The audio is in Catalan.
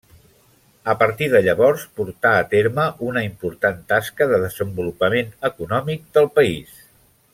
A partir de llavors portà a terme una important tasca de desenvolupament econòmic del país.